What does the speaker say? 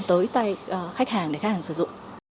tới khách hàng để khách hàng sử dụng